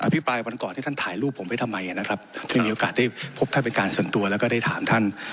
พี่ปรายวันก่อนที่ท่านถ่ายรูปผมไว้ทำไมนะครับที่มีโอกาสได้พบท่านเป็นการส่วนตัวแล้วก็ได้ถามท่าน